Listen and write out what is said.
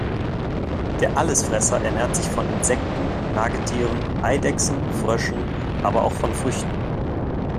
Der Allesfresser ernährt sich von Insekten, Nagetieren, Eidechsen, Fröschen, aber auch von Früchten.